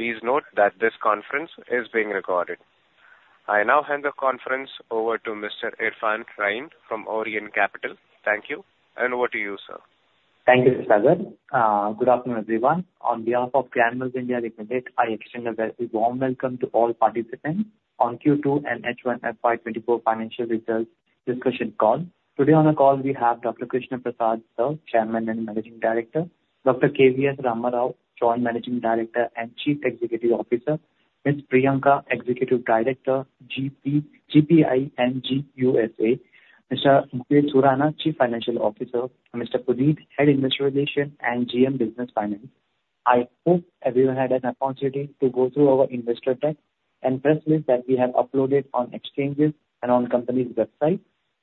Please note that this conference is being recorded. I now hand the conference over to Mr. Irfan Raeen from Orient Capital. Thank you, and over to you, sir. Thank you, Sagar. Good afternoon, everyone. On behalf of Granules India Limited, I extend a very warm welcome to all participants on Q2 and H1 FY 2024 Financial Results Discussion Call. Today on the call, we have Dr. Krishna Prasad, the Chairman and Managing Director; Dr. K.V.S. Ram Rao, Joint Managing Director and Chief Executive Officer; Ms. Priyanka, Executive Director, GPI and GUSA; Mr. Mukesh Surana, Chief Financial Officer; and Mr. Puneet, Head Investor Relations and GM Business Finance. I hope everyone had an opportunity to go through our investor deck and press release that we have uploaded on exchanges and on company's website.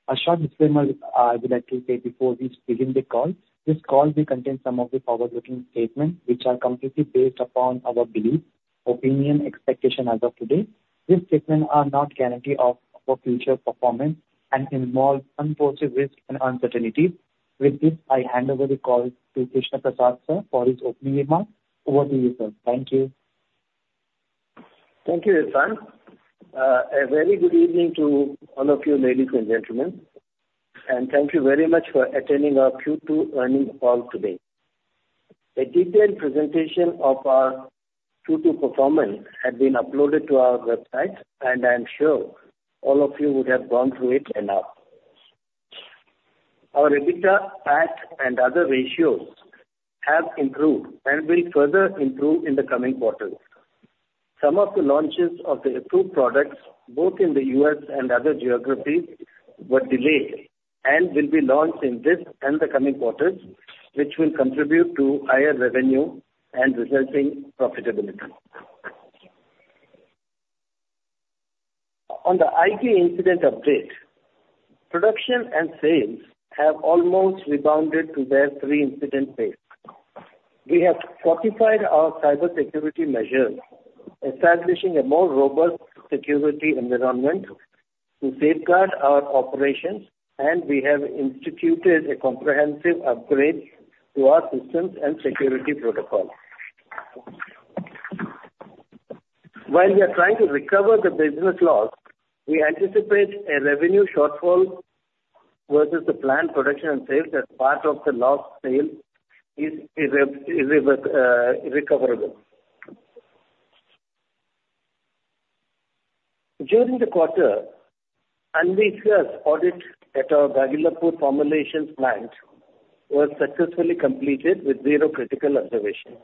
A short disclaimer, I would like to say before we begin the call, this call will contain some of the forward-looking statements, which are completely based upon our belief, opinion, expectation as of today. These statements are not guarantees of future performance and involve unforeseen risks and uncertainties. With this, I hand over the call to Krishna Prasad, sir, for his opening remarks. Over to you, sir. Thank you. Thank you, Irfan. A very good evening to all of you, ladies and gentlemen, and thank you very much for attending our Q2 earnings call today. A detailed presentation of our Q2 performance has been uploaded to our website, and I'm sure all of you would have gone through it enough. Our EBITDA, PAT, and other ratios have improved and will further improve in the coming quarters. Some of the launches of the approved products, both in the U.S. and other geographies, were delayed and will be launched in this and the coming quarters, which will contribute to higher revenue and resulting profitability. On the IT incident update, production and sales have almost rebounded to their pre-incident base. We have fortified our cybersecurity measures, establishing a more robust security environment to safeguard our operations, and we have instituted a comprehensive upgrade to our systems and security protocol. While we are trying to recover the business loss, we anticipate a revenue shortfall versus the planned production and sales, as part of the lost sale is irrecoverable. During the quarter, ANVISA'S audit at our Gagillapur formulations plant was successfully completed with zero critical observations.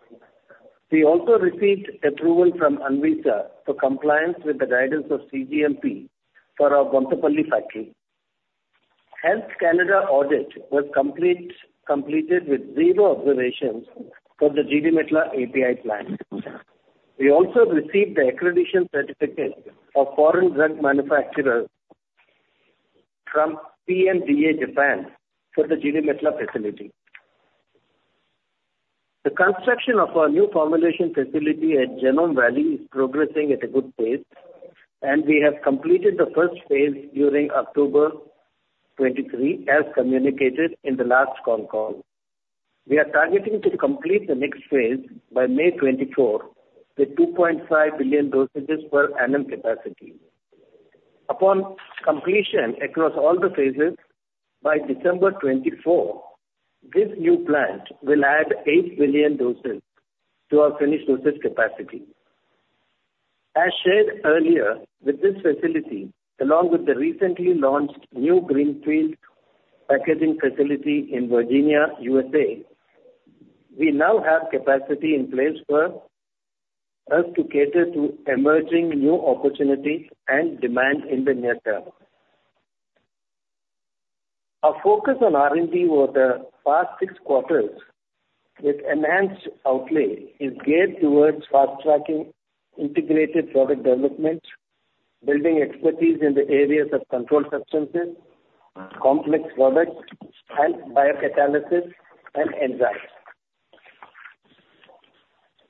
We also received approval from ANVISA for compliance with the guidance of cGMP for our Bonthapally factory. Health Canada audit was completed with zero observations for the Jeedimetla API plant. We also received the accreditation certificate of foreign drug manufacturer from PMDA, Japan, for the Jeedimetla facility. The construction of our new formulation facility at Genome Valley is progressing at a good pace, and we have completed the first phase during October 2023, as communicated in the last con call. We are targeting to complete the next phase by May 2024, with 2.5 billion dosages per annum capacity. Upon completion across all the phases by December 2024, this new plant will add 8 billion doses to our finished dosage capacity. As shared earlier, with this facility, along with the recently launched new greenfield packaging facility in Virginia, U.S.A., we now have capacity in place for us to cater to emerging new opportunities and demand in the near term. Our focus on R&D over the past six quarters with enhanced outlay is geared towards fast-tracking integrated product development, building expertise in the areas of controlled substances, complex products, and biocatalysis and enzymes.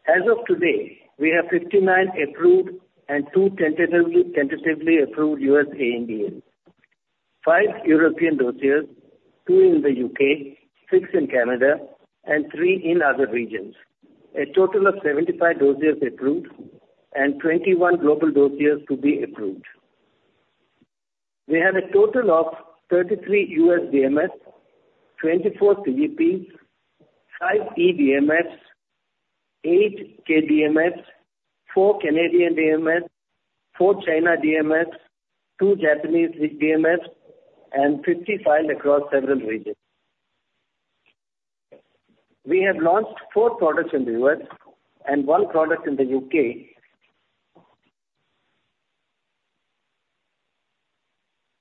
As of today, we have 59 approved and two tentatively, tentatively approved U.S. ANDAs, five European dossiers, two in the U.K., six in Canada, and three in other regions. A total of 75 dossiers approved and 21 global dossiers to be approved. We have a total of 33 US DMFs, 24 CEPs, five EDMFs, eight KDMFs, four Canadian DMFs, four China DMFs, two Japanese EDMFs, and 55 across several regions. We have launched four products in the US and one product in the UK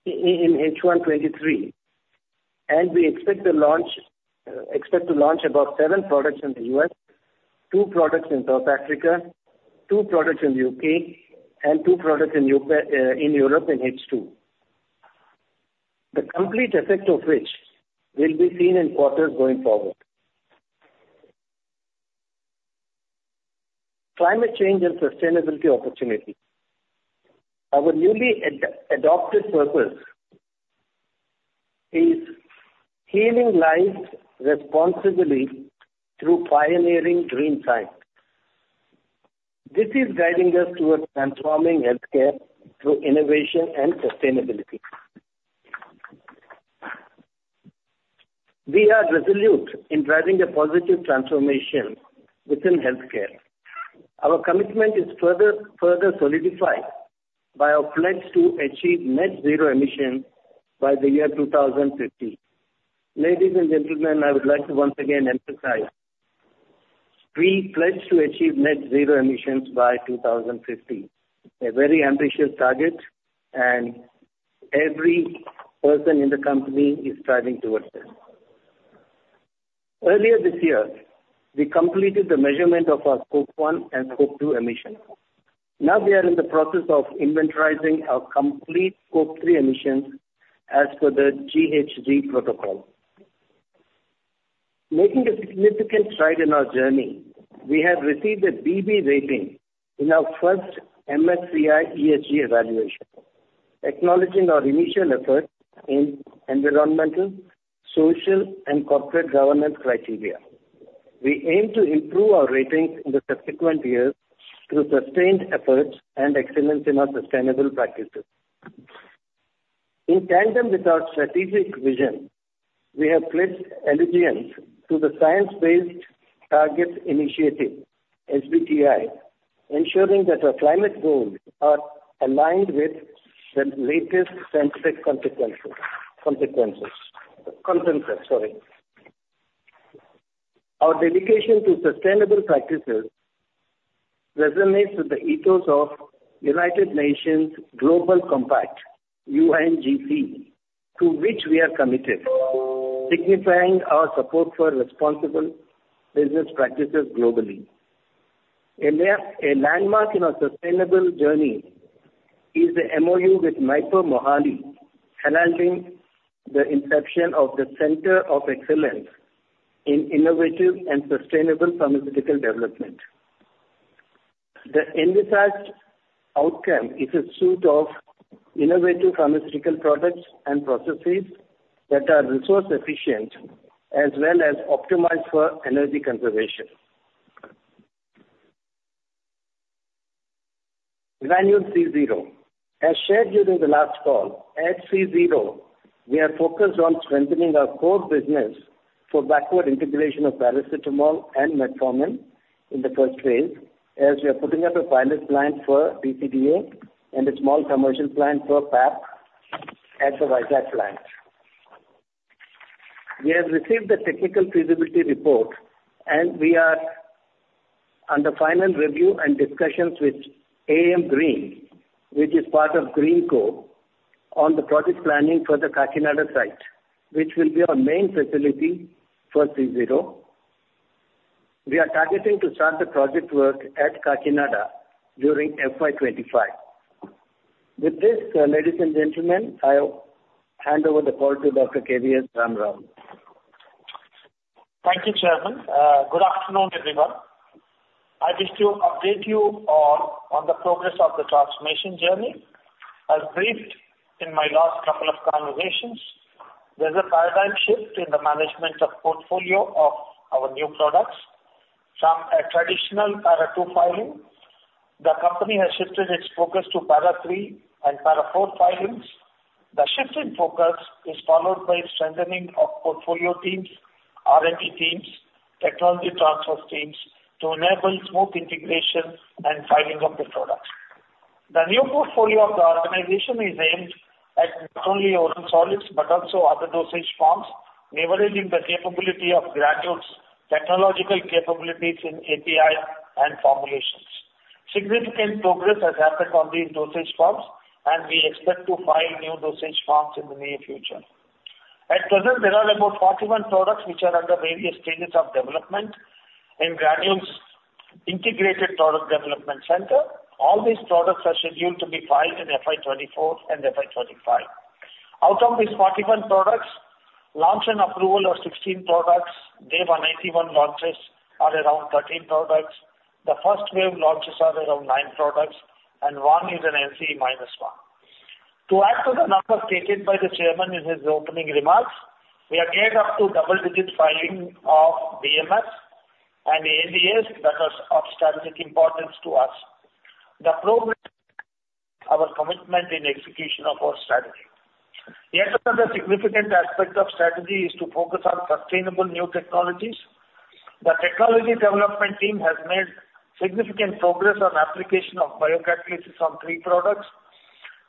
in H1 2023, and we expect the launch, expect to launch about seven products in the US, two products in South Africa, two products in the UK, and two products in Europe in H2. The complete effect of which will be seen in quarters going forward. Climate change and sustainability opportunity. Our newly adopted purpose is healing lives responsibly through pioneering dream science. This is guiding us towards transforming healthcare through innovation and sustainability. We are resolute in driving a positive transformation within healthcare. Our commitment is further solidified by our pledge to achieve net zero emissions by the year 2050. Ladies and gentlemen, I would like to once again emphasize, we pledge to achieve net zero emissions by 2050, a very ambitious target, and every person in the company is striving towards this. Earlier this year, we completed the measurement of our Scope 1 and Scope 2 emissions. Now we are in the process of inventorizing our complete Scope 3 emissions as per the GHG Protocol. Making a significant stride in our journey, we have received a BB rating in our first MSCI ESG evaluation, acknowledging our initial efforts in environmental, social, and corporate governance criteria. We aim to improve our ratings in the subsequent years through sustained efforts and excellence in our sustainable practices. In tandem with our strategic vision, we have pledged allegiance to the Science-Based Targets Initiative, SBTi, ensuring that our climate goals are aligned with the latest scientific consensus, sorry. Our dedication to sustainable practices resonates with the ethos of United Nations Global Compact, UNGC, to which we are committed, signifying our support for responsible business practices globally. A major landmark in our sustainable journey is the MoU with NIPER Mohali, heralding the inception of the Center of Excellence in Innovative and Sustainable Pharmaceutical Development. The envisaged outcome is a suite of innovative pharmaceutical products and processes that are resource efficient, as well as optimized for energy conservation. Granules CZRO. As shared during the last call, at CZRO, we are focused on strengthening our core business for backward integration of paracetamol and metformin in the first phase, as we are putting up a pilot plant for CDA and a small commercial plant for PAP at the Vizag plant. We have received the technical feasibility report, and we are under final review and discussions with AM Green, which is part of Greenko, on the project planning for the Kakinada site, which will be our main facility for CZRO. We are targeting to start the project work at Kakinada during FY 2025. With this, ladies and gentlemen, I'll hand over the call to Dr. K.V.S. Ram Rao. Thank you, Chairman. Good afternoon, everyone. I wish to update you on the progress of the transformation journey. As briefed in my last couple of conversations, there's a paradigm shift in the management of portfolio of our new products. From a traditional Para II filing, the company has shifted its focus to Para III and Para IV filings. The shift in focus is followed by strengthening of portfolio teams, R&D teams, technology transfer teams, to enable smooth integration and filing of the products. The new portfolio of the organization is aimed at not only oral solids, but also other dosage forms, leveraging the capability of Granules' technological capabilities in API and formulations. Significant progress has happened on these dosage forms, and we expect to file new dosage forms in the near future. At present, there are about 41 products which are under various stages of development in Granules' Integrated Product Development Center. All these products are scheduled to be filed in FY 2024 and FY 2025. Out of these 41 products, launch and approval of 16 products, Wave 1, Day 1 launches are around 13 products. The first wave launches are around nine products, and one is an NCE-1. To add to the numbers stated by the chairman in his opening remarks, we are geared up to double-digit filing of DMFs and NDAs that are of strategic importance to us. The program our commitment in execution of our strategy. Yet another significant aspect of strategy is to focus on sustainable new technologies. The technology development team has made significant progress on application of biocatalysis on three products.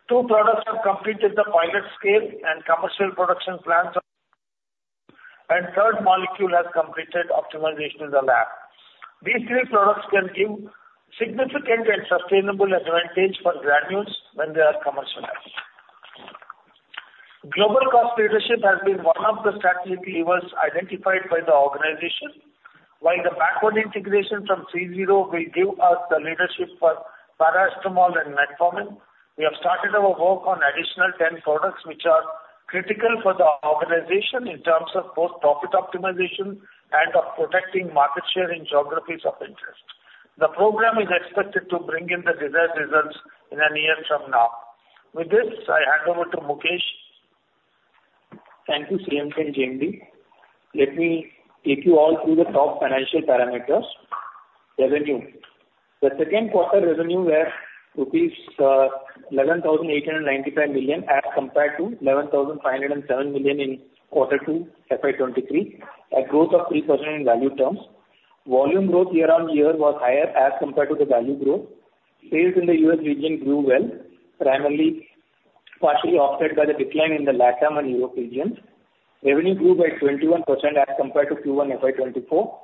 Two products have completed the pilot scale and commercial production plans, and third molecule has completed optimization in the lab. These three products can give significant and sustainable advantage for Granules when they are commercialized. Global cost leadership has been one of the strategic levers identified by the organization. While the backward integration from CZRO will give us the leadership for paracetamol and metformin, we have started our work on additional 10 products which are critical for the organization in terms of both profit optimization and of protecting market share in geographies of interest. ...The program is expected to bring in the desired results in a year from now. With this, I hand over to Mukesh. Thank you, Chairman and JMD. Let me take you all through the top financial parameters. Revenue. The second quarter revenue were rupees 11,895 million, as compared to 11,507 million in quarter two, FY 2023, a growth of 3% in value terms. Volume growth year-on-year was higher as compared to the value growth. Sales in the US region grew well, primarily, partially offset by the decline in the LatAm and Europe regions. Revenue grew by 21% as compared to Q1 FY 2024.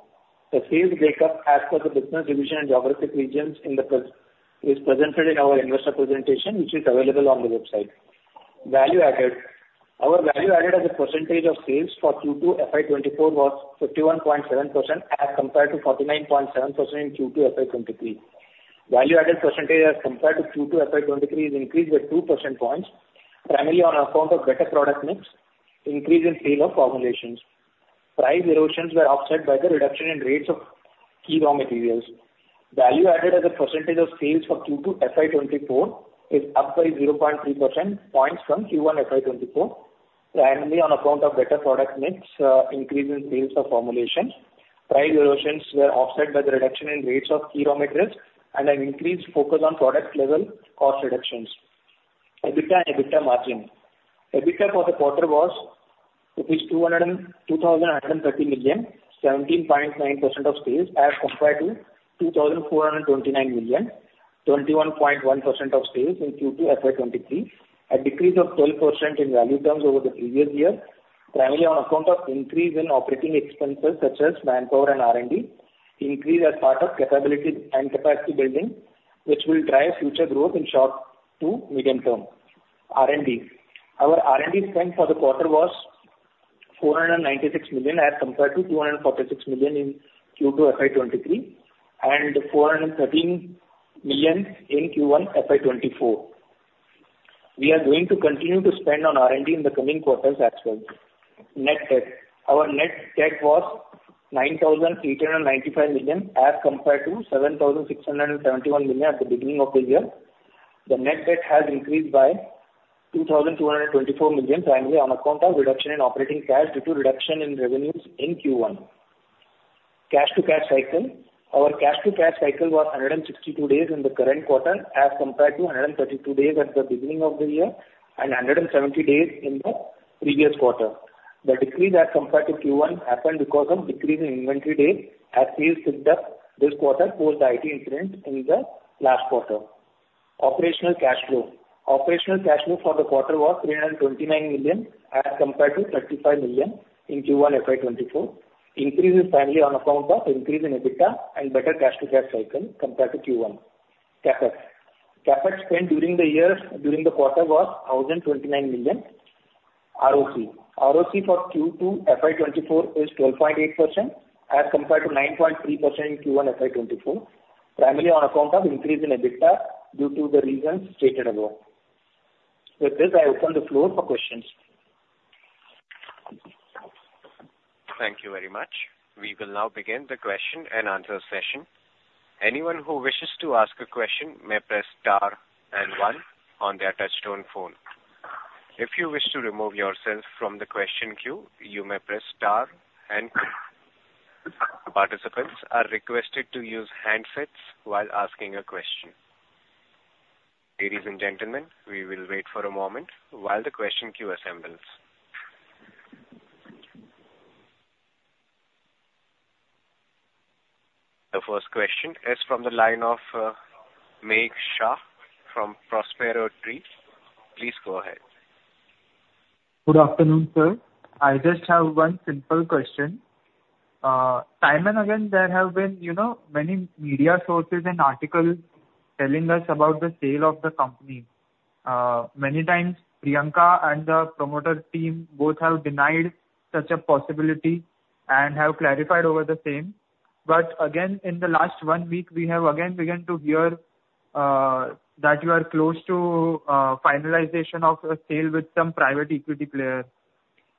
The sales break up as per the business division and geographic regions in the pres- is presented in our investor presentation, which is available on the website. Value added. Our value added as a percentage of sales for Q2 FY 2024 was 51.7%, as compared to 49.7% in Q2 FY 2023. Value added percentage as compared to Q2 FY 2023 is increased by 2 percentage points, primarily on account of better product mix, increase in sale of formulations. Price erosions were offset by the reduction in rates of key raw materials. Value added as a percentage of sales for Q2 FY 2024 is up by 0.3 percentage points from Q1 FY 2024, primarily on account of better product mix, increase in sales of formulations. Price erosions were offset by the reduction in rates of key raw materials and an increased focus on product level cost reductions. EBITDA and EBITDA margin. EBITDA for the quarter was 202.13 million, 17.9% of sales, as compared to 2,429 million, 21.1% of sales in Q2 FY 2023, a decrease of 12% in value terms over the previous year, primarily on account of increase in operating expenses such as manpower and R&D. Increase as part of capability and capacity building, which will drive future growth in short to medium term. R&D. Our R&D spend for the quarter was 496 million, as compared to 246 million in Q2 FY 2023, and 413 million in Q1 FY 2024. We are going to continue to spend on R&D in the coming quarters as well. Net debt. Our net debt was 9,395 million, as compared to 7,671 million at the beginning of the year. The net debt has increased by 2,224 million, primarily on account of reduction in operating cash due to reduction in revenues in Q1. Cash to cash cycle. Our cash to cash cycle was 162 days in the current quarter, as compared to 132 days at the beginning of the year and 170 days in the previous quarter. The decrease as compared to Q1 happened because of decrease in inventory days, as sales picked up this quarter post the IT incident in the last quarter. Operational cash flow. Operational cash flow for the quarter was 329 million as compared to 35 million in Q1 FY 2024. Increase is primarily on account of increase in EBITDA and better cash to cash cycle compared to Q1. CapEx. CapEx spend during the years, during the quarter was 1,029 million. ROC. ROC for Q2 FY 2024 is 12.8%, as compared to 9.3% in Q1 FY 2024, primarily on account of increase in EBITDA due to the reasons stated above. With this, I open the floor for questions. Thank you very much. We will now begin the question and answer session. Anyone who wishes to ask a question may press star and one on their touchtone phone. If you wish to remove yourself from the question queue, you may press star and two. Participants are requested to use handsets while asking a question. Ladies and gentlemen, we will wait for a moment while the question queue assembles. The first question is from the line of Megh Shah from Prospero Tree. Please go ahead. Good afternoon, sir. I just have one simple question. Time and again, there have been, you know, many media sources and articles telling us about the sale of the company. Many times, Priyanka and the promoter team both have denied such a possibility and have clarified over the same. But again, in the last one week, we have again begun to hear that you are close to finalization of a sale with some private equity player.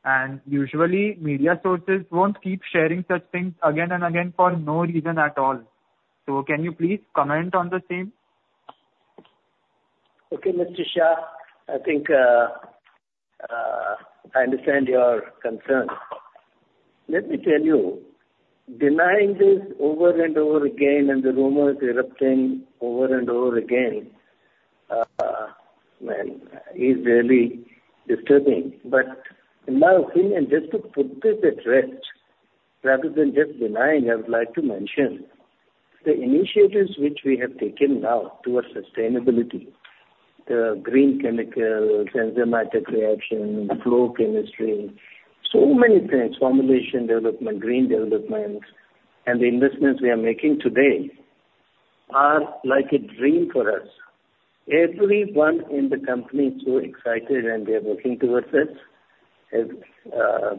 And usually, media sources won't keep sharing such things again and again for no reason at all. So can you please comment on the same? Okay, Mr. Shah. I think, I understand your concern. Let me tell you, denying this over and over again, and the rumors erupting over and over again, well, is really disturbing. But in my opinion, just to put this at rest, rather than just denying, I would like to mention the initiatives which we have taken now towards sustainability, the green chemicals, enzymatic reaction, flow chemistry, so many things, formulation development, green developments, and the investments we are making today, are like a dream for us. Everyone in the company is so excited, and they are working towards it. As,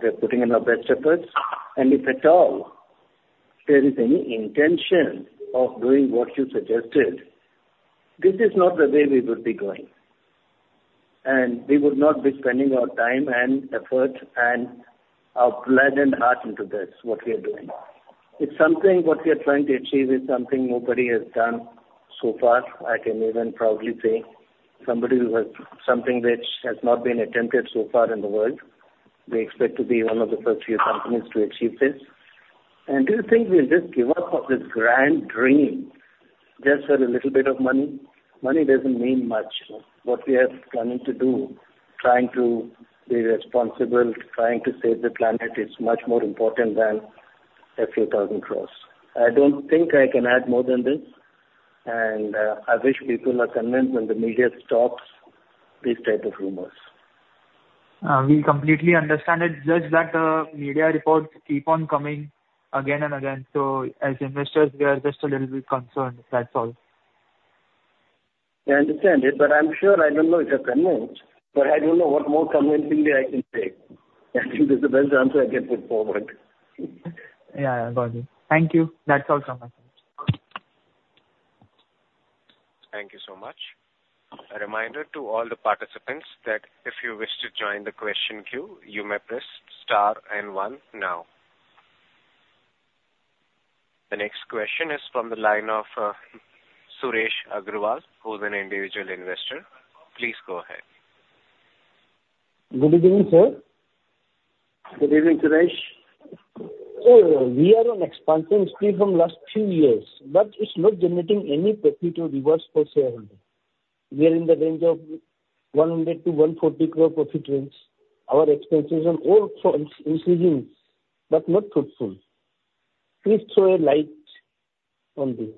they're putting in our best efforts, and if at all there is any intention of doing what you suggested, this is not the way we would be going. We would not be spending our time and effort and our blood and heart into this, what we are doing. It's something what we are trying to achieve is something nobody has done so far. I can even proudly say somebody who has something which has not been attempted so far in the world. We expect to be one of the first few companies to achieve this. And do you think we'll just give up on this grand dream just for a little bit of money? Money doesn't mean much. What we are planning to do, trying to be responsible, trying to save the planet is much more important than a few thousand crores. I don't think I can add more than this, and I wish people are convinced when the media stops these type of rumors. We completely understand. It's just that, media reports keep on coming again and again. So as investors, we are just a little bit concerned, that's all. I understand it, but I'm sure I don't know if you are convinced, but I don't know what more convincingly I can say. I think this is the best answer I can put forward. Yeah, I got you. Thank you. That's all from my side. Thank you so much. A reminder to all the participants that if you wish to join the question queue, you may press star and one now. The next question is from the line of Suresh Agarwal, who is an individual investor. Please go ahead. Good evening, sir. Good evening, Suresh. Sir, we are on expansion still from last few years, but it's not generating any profit or rewards for shareholder. We are in the range of 100 crore-140 crore profit range. Our expenses are all increasing, but not fruitful. Please throw a light on this.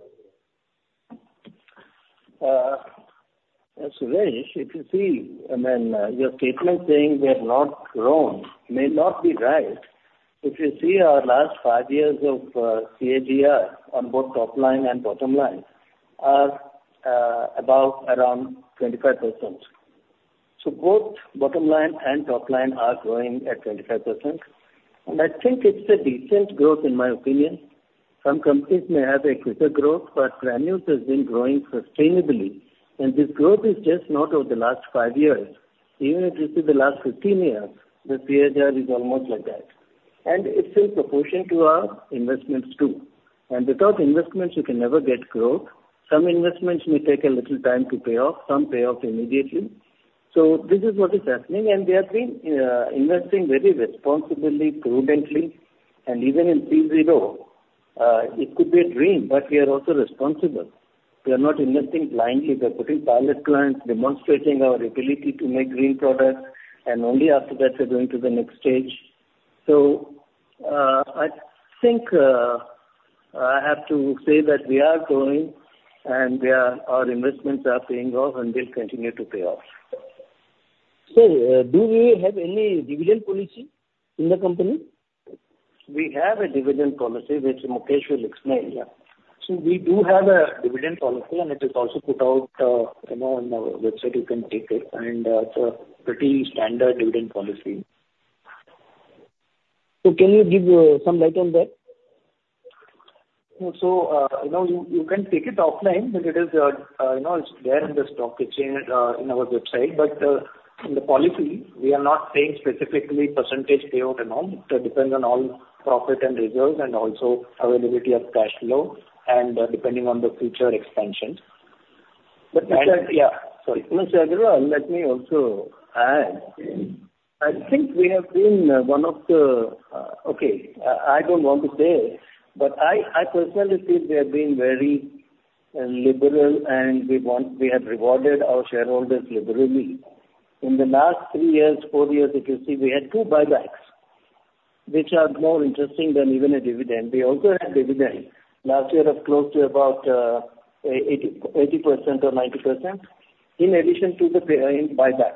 Suresh, if you see, I mean, your statement saying we have not grown may not be right. If you see our last five years of CAGR on both top line and bottom line are about around 25%. So both bottom line and top line are growing at 25%, and I think it's a decent growth in my opinion. Some companies may have a quicker growth, but Granules has been growing sustainably, and this growth is just not over the last five years. Even if you see the last fifteen years, the CAGR is almost like that, and it's in proportion to our investments, too. And without investments, you can never get growth. Some investments may take a little time to pay off, some pay off immediately. So this is what is happening, and we have been investing very responsibly, prudently. Even in CZRO, it could be a dream, but we are also responsible. We are not investing blindly. We are putting pilot clients, demonstrating our ability to make green products, and only after that we're going to the next stage. I think, I have to say that we are growing and we are... our investments are paying off and will continue to pay off. Sir, do we have any dividend policy in the company? We have a dividend policy, which Mukesh will explain. Yeah. We do have a dividend policy, and it is also put out, you know, on our website, you can take it, and it's a pretty standard dividend policy. Can you give some light on that? So, you know, you can take it offline, but it is, you know, it's there in the stock exchange, in our website. But, in the policy, we are not saying specifically percentage payout amount. It depends on all profit and reserves and also availability of cash flow and depending on the future expansion. But, yeah. Sorry. Mr. Agarwal, let me also add. I think we have been one of the. Okay, I don't want to say, but I personally feel we have been very liberal, and we want- we have rewarded our shareholders liberally. In the last three years, four years, if you see, we had two buybacks, which are more interesting than even a dividend. We also had dividend. Last year it was close to about eighty, eighty percent or ninety percent, in addition to the pay in buyback.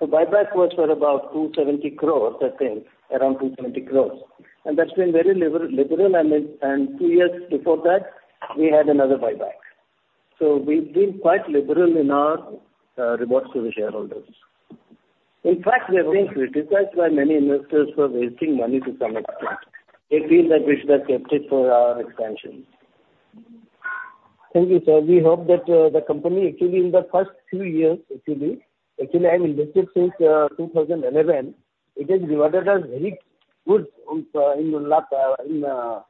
The buyback was for about 270 crore, I think, around 220 crore, and that's been very liberal, liberal. And two years before that, we had another buyback. So we've been quite liberal in our rewards to the shareholders. In fact, we have been criticized by many investors for wasting money to some extent. They feel that we should have kept it for our expansion. Thank you, sir. We hope that the company actually in the first few years, actually, actually I'm invested since 2011. It has rewarded us very good in 2017,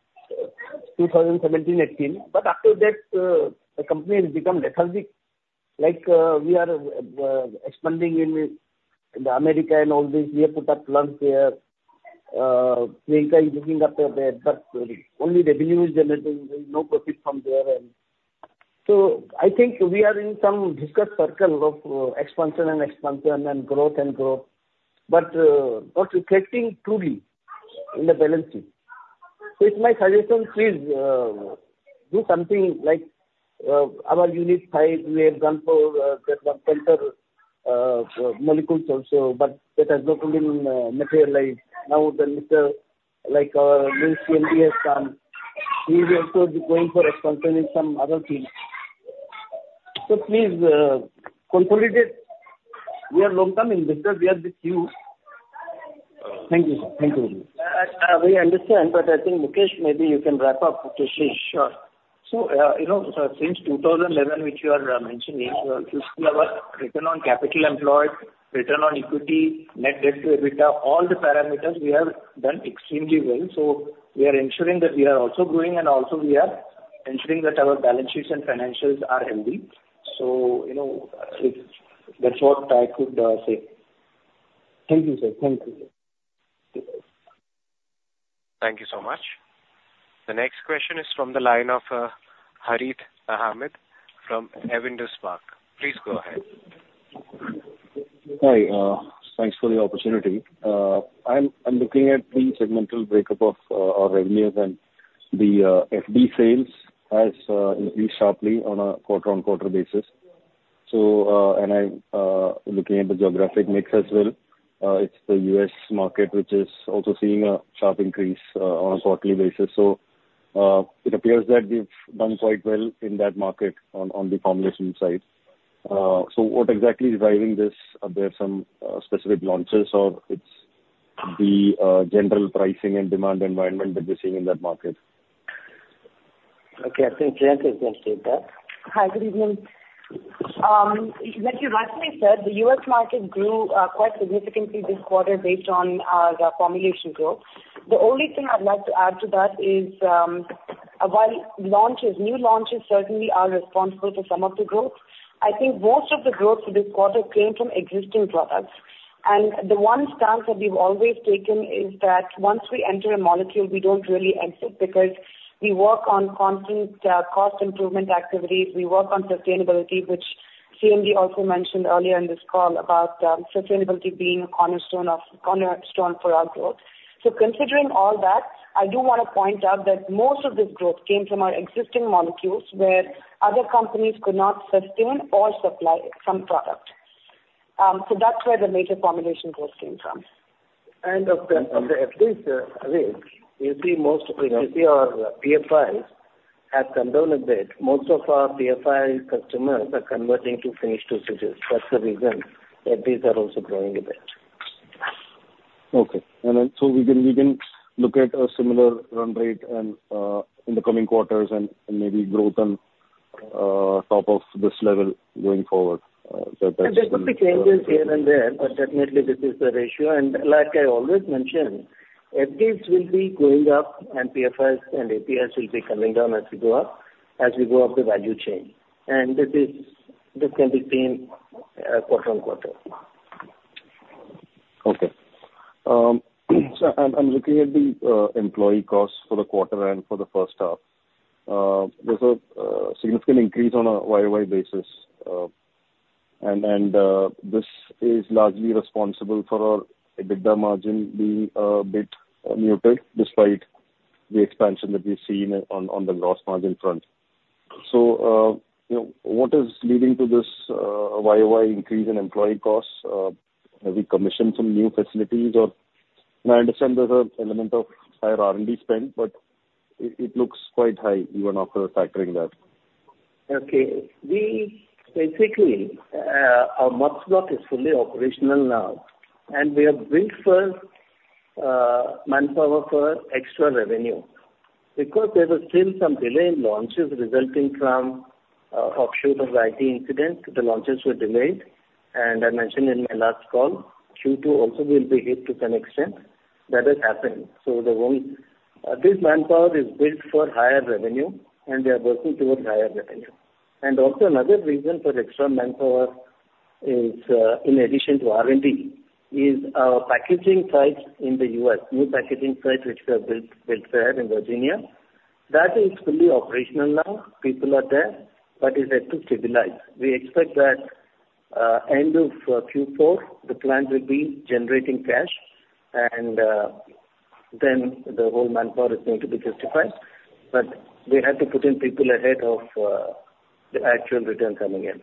2018, but after that the company has become lethargic. Like we are expanding in the America and all this. We have put our plants there, Sri Lanka is looking after that, but only revenue is generating, there's no profit from there. And so I think we are in some vicious circle of expansion and expansion and growth and growth, but not reflecting truly in the balance sheet. So it's my suggestion, please do something like our unit five, we example that one center molecules also, but that has not been materialized. Now the new, like new CMD has come. We will also be going for expansion in some other things. Please, consolidate. We are long-term investors. We are with you.... Thank you, sir. Thank you very much. We understand, but I think Mukesh, maybe you can wrap up, Mukesh. Sure. So, you know, sir, since 2011, which you are mentioning, our return on capital employed, return on equity, net debt to EBITDA, all the parameters we have done extremely well. So we are ensuring that we are also growing, and also we are ensuring that our balance sheets and financials are healthy. So, you know, it's, that's what I could say. Thank you, sir. Thank you. Thank you so much. The next question is from the line of, Harith Ahmed from Avendus Spark. Please go ahead. Hi, thanks for the opportunity. I'm looking at the segmental breakup of our revenues and the FD sales has increased sharply on a quarter-on-quarter basis. So, and I'm looking at the geographic mix as well. It's the U.S. market, which is also seeing a sharp increase on a quarterly basis. So, it appears that we've done quite well in that market on the formulation side. So what exactly is driving this? Are there some specific launches, or it's the general pricing and demand environment that we're seeing in that market? Okay, I think Priyanka is going to take that. Hi, good evening. Like you rightly said, the U.S. market grew quite significantly this quarter based on the formulation growth. The only thing I'd like to add to that is, while launches, new launches certainly are responsible for some of the growth, I think most of the growth this quarter came from existing products. The one stance that we've always taken is that once we enter a molecule, we don't really exit because we work on constant cost improvement activities. We work on sustainability, which CMD also mentioned earlier in this call about sustainability being a cornerstone of, cornerstone for our growth. Considering all that, I do want to point out that most of this growth came from our existing molecules, where other companies could not sustain or supply some product. That's where the major formulation growth came from. Of the FDs, Harith, you see most of our PFIs have come down a bit. Most of our PFI customers are converting to finished dosages. That's the reason that these are also growing a bit. Okay. And then, so we can, we can look at a similar run rate and, in the coming quarters and, and maybe grow them, top of this level going forward? So that's- There could be changes here and there, but definitely this is the ratio. And like I always mention, FDs will be going up and PFIs and APIs will be coming down as we go up, as we go up the value chain. And this can be seen, quarter-over-quarter. Okay. So I'm looking at the employee costs for the quarter and for the first half. There's a significant increase on a Y-o-Y basis, and this is largely responsible for our EBITDA margin being a bit muted, despite the expansion that we've seen on the gross margin front. So, you know, what is leading to this Y-o-Y increase in employee costs? Have we commissioned some new facilities or... I understand there's an element of higher R&D spend, but it looks quite high even after factoring that. Okay. We basically, our API stock is fully operational now, and we have built for manpower for extra revenue. Because there was still some delay in launches resulting from offshoot of the IT incident, the launches were delayed. And I mentioned in my last call, Q2 also will be hit to some extent. That has happened. So the whole, this manpower is built for higher revenue, and we are working towards higher revenue. And also another reason for extra manpower is, in addition to R&D, is our packaging sites in the US, new packaging sites which were built, built there in Virginia. That is fully operational now. People are there, but it has to stabilize. We expect that, end of Q4, the plant will be generating cash, and then the whole manpower is going to be justified. But we had to put in people ahead of the actual return coming in.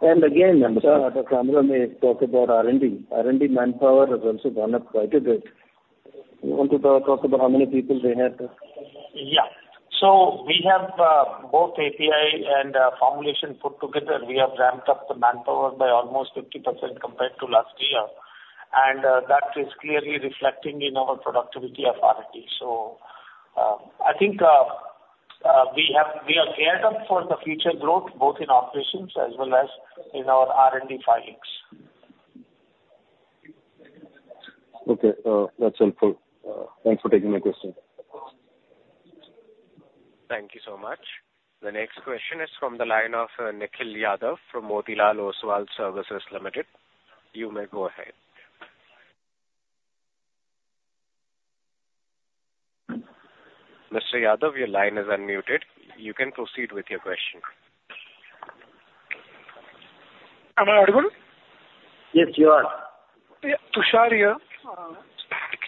And again, Kamra may talk about R&D. R&D manpower has also gone up quite a bit. You want to talk, talk about how many people they have? Yeah. So we have both API and formulation put together. We have ramped up the manpower by almost 50% compared to last year, and that is clearly reflecting in our productivity of R&D. So, I think we are geared up for the future growth, both in operations as well as in our R&D filings. Okay, that's helpful. Thanks for taking my question. Thank you so much. The next question is from the line of Nikhil Yadav from Motilal Oswal Services Limited. You may go ahead. Mr. Yadav, your line is unmuted. You can proceed with your question. Am I audible? Yes, you are. Yeah, Tushar here.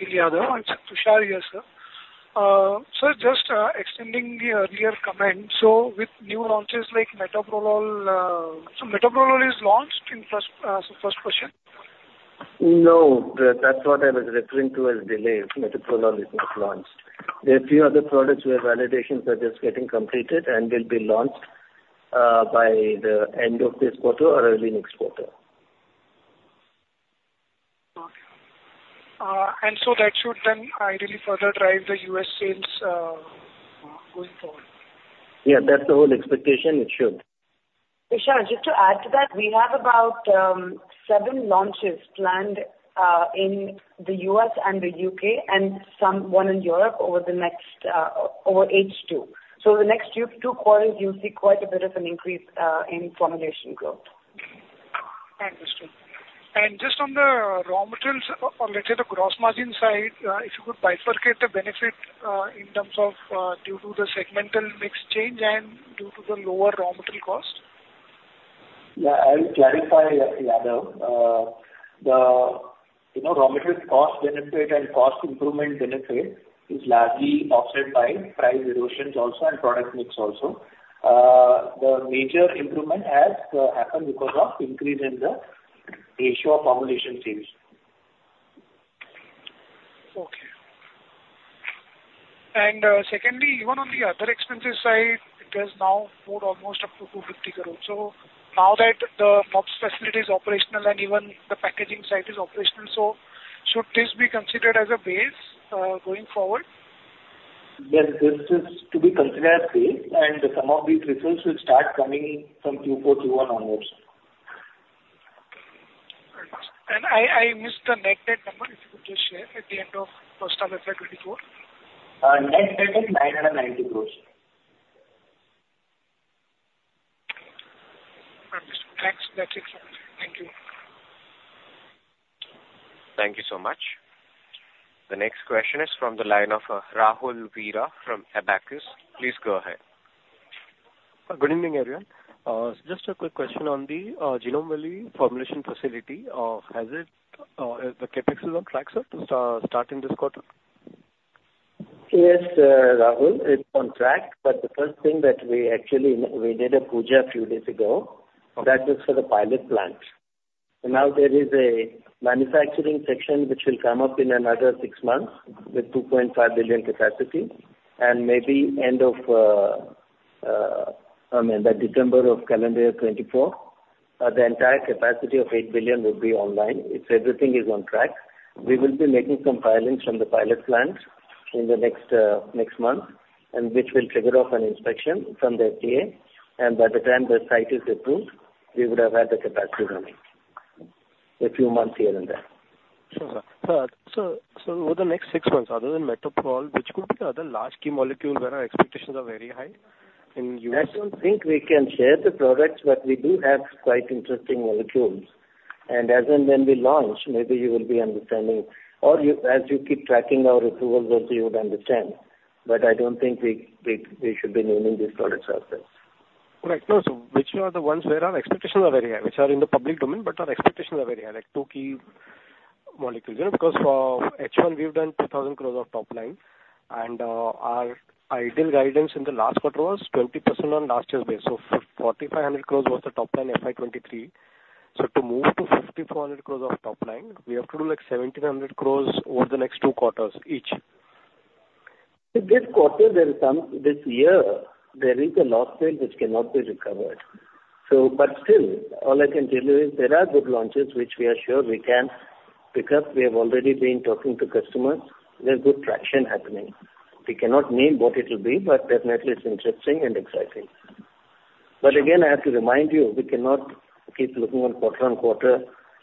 Nikhil Yadav. It's Tushar here, sir. Sir, just extending the earlier comment. So with new launches like metoprolol... So metoprolol is launched in first, so first question? No, that's what I was referring to as delayed. Metoprolol is not launched. There are a few other products where validations are just getting completed and will be launched. ...by the end of this quarter or early next quarter. That should then ideally further drive the US sales, going forward? Yeah, that's the whole expectation. It should. Vishal, just to add to that, we have about seven launches planned in the U.S. and the U.K. and one in Europe over the next H2. So the next two quarters, you'll see quite a bit of an increase in formulation growth. Understood. Just on the raw materials or let's say the gross margin side, if you could bifurcate the benefit in terms of due to the segmental mix change and due to the lower raw material cost? Yeah, I'll clarify, Yadav. The, you know, raw material cost benefit and cost improvement benefit is largely offset by price erosions also and product mix also. The major improvement has happened because of increase in the ratio of formulation sales. Okay. And, secondly, even on the other expenses side, it has now moved almost up to 250 crore. So now that the MUPS facility is operational and even the packaging site is operational, so should this be considered as a base, going forward? Well, this is to be considered as base, and some of these results will start coming in from Q4, Q1 onwards. I missed the net debt number, if you could just share at the end of first half of FY 2024. Net debt is INR 990 crore. Understood. Thanks. That's it from me. Thank you. Thank you so much. The next question is from the line of Rahul Veera from Abakkus. Please go ahead. Good evening, everyone. Just a quick question on the Genome Valley formulation facility. Has it, are the CapEx on track, sir, to start in this quarter? Yes, Rahul, it's on track, but the first thing that we actually, we did a puja a few days ago. Okay. That was for the pilot plant. So now there is a manufacturing section which will come up in another six months with 2.5 billion capacity, and maybe end of, I mean, the December of calendar year 2024, the entire capacity of 8 billion will be online if everything is on track. We will be making some filings from the pilot plant in the next, next month, and which will trigger off an inspection from the FDA, and by the time the site is approved, we would have had the capacity running. A few months here and there. Sure, sir. So, so over the next six months, other than Metoprolol, which could be the other large key molecule where our expectations are very high in US? I don't think we can share the products, but we do have quite interesting molecules. As and when we launch, maybe you will be understanding, or you, as you keep tracking our approvals, also you would understand, but I don't think we should be naming these products out there. Correct. No, so which are the ones where our expectations are very high, which are in the public domain, but our expectations are very high, like two key molecules? You know, because for H1, we've done 2,000 crore of top line, and our ideal guidance in the last quarter was 20% on last year's base. So 4,500 crore was the top line FY 2023. So to move to 5,400 crore of top line, we have to do, like, 1,700 crore over the next two quarters each. This year, there is a loss sale which cannot be recovered. But still, all I can tell you is there are good launches which we are sure we can, because we have already been talking to customers, there's good traction happening. We cannot name what it will be, but definitely it's interesting and exciting. But again, I have to remind you, we cannot keep looking on quarter on quarter.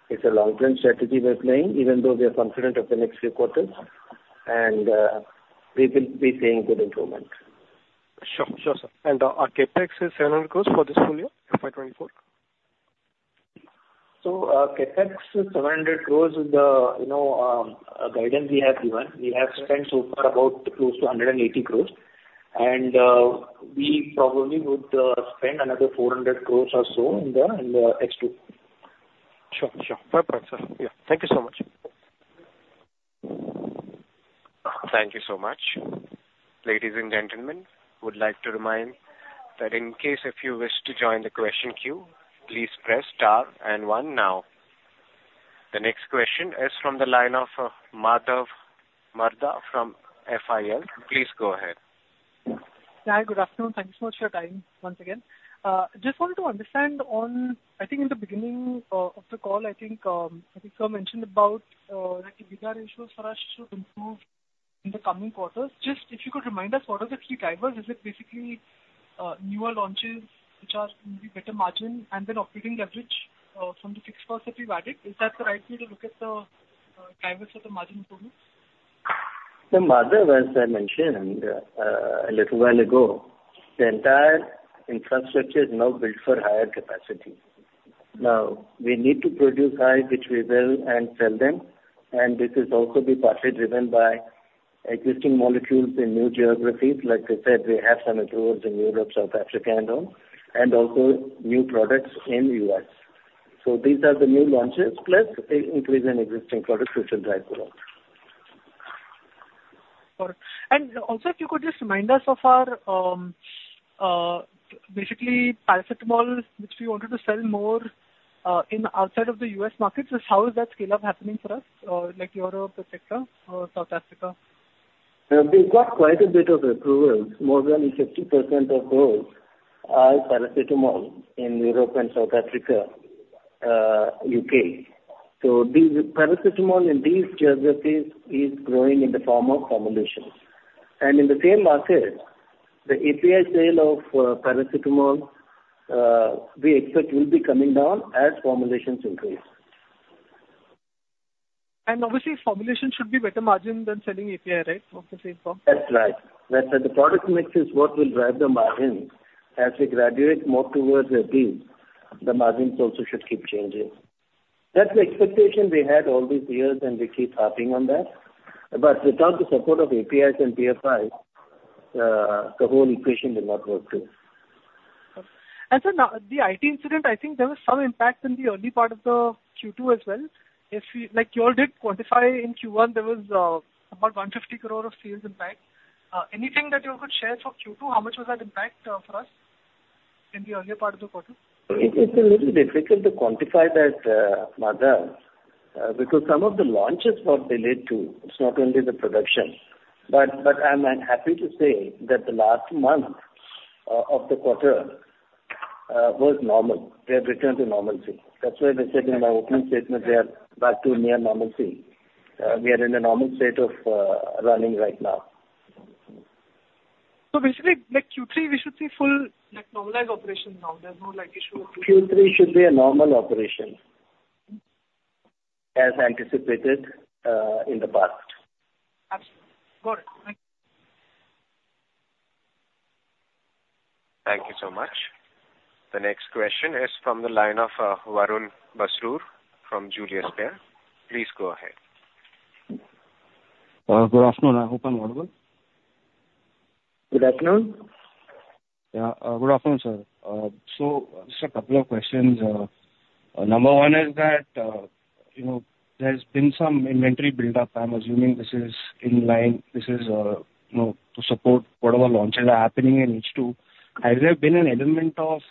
It's a long-term strategy we're playing, even though we are confident of the next few quarters, and we will be seeing good improvement. Sure. Sure, sir. And, our CapEx is 700 crore for this full year, FY 2024? So, CapEx is 700 crore, you know, the guidance we have given. We have spent so far about close to 180 crore, and we probably would spend another 400 crore or so in the next two. Sure. Sure. Perfect, sir. Yeah. Thank you so much. Thank you so much. Ladies and gentlemen, I would like to remind that in case if you wish to join the question queue, please press star and one now. The next question is from the line of Madhav Marda from FIL. Please go ahead. Hi, good afternoon. Thank you so much for your time once again. Just wanted to understand on, I think in the beginning, of the call, I think, I think sir mentioned about, the EBITDA issues for us to improve in the coming quarters. Just if you could remind us, what are the key drivers? Is it basically, newer launches which are maybe better margin and then operating leverage, from the fixed costs that we've added? Is that the right way to look at the drivers of the margin improvements? So, Madhav, as I mentioned a little while ago, the entire infrastructure is now built for higher capacity. Now, we need to produce high, which we will, and sell them, and this is also be partly driven by existing molecules in new geographies. Like I said, we have some approvals in Europe, South Africa and all, and also new products in US. So these are the new launches, plus increase in existing products which will drive growth. Got it. And also, if you could just remind us of our basically paracetamol, which we wanted to sell more in outside of the U.S. markets. So how is that scale-up happening for us like Europe, et cetera, or South Africa? ... We've got quite a bit of approvals, more than 50% of those are paracetamol in Europe and South Africa, U.K. So these paracetamol in these geographies is growing in the form of formulations. In the same market, the API sale of paracetamol, we expect will be coming down as formulations increase. Obviously, formulation should be better margin than selling API, right? Of the same form. That's right. That the product mix is what will drive the margin. As we graduate more towards the end, the margins also should keep changing. That's the expectation we had all these years, and we keep harping on that. But without the support of APIs and PFIs, the whole equation will not work too. So now, the IT incident, I think there was some impact in the early part of the Q2 as well. If we—like you all did quantify in Q1, there was about 150 crore of sales impact. Anything that you could share for Q2, how much was that impact for us in the earlier part of the quarter? It, it's a little difficult to quantify that, Madhav, because some of the launches got delayed, too. It's not only the production. But, but I'm, I'm happy to say that the last month of the quarter was normal. We have returned to normalcy. That's why we said in my opening statement, we are back to near normalcy. We are in a normal state of running right now. So basically, like Q3, we should see full, like, normalized operations now. There's no, like, issue- Q3 should be a normal operation, as anticipated, in the past. Absolutely. Got it. Thank you. Thank you so much. The next question is from the line of Varun Basrur from Julius Baer. Please go ahead. Good afternoon. I hope I'm audible. Good afternoon. Yeah, good afternoon, sir. So just a couple of questions. Number one is that, you know, there's been some inventory buildup. I'm assuming this is in line, this is, you know, to support whatever launches are happening in H2. Has there been an element of...